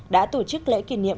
đã tổ chức lễ kỷ niệm